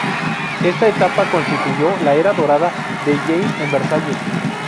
Esta etapa constituyó la era dorada de Jeanne en Versalles.